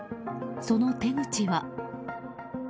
その手口は。